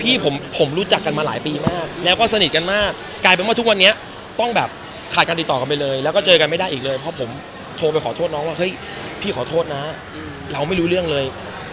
ที่ผมผมรู้จักกันมาหลายปีมากแล้วก็สนิทกันมากกลายเป็นว่าทุกวันเนี้ยต้องแบบกาดการติดต่อกันไปเลยก็ไม่ได้อีกเลยเพราะผมโทรไปขอโทษน้องว่าเฮ้ย